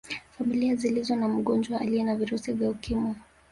Familia zilizo na mgonjwa aliye na virusi vya Ukimwi